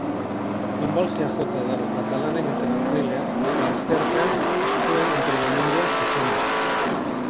Lunbalgiak jota dago katalanen entrenatzailea eta asteartean ez zuen entrenamendua zuzendu.